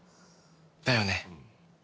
だよね。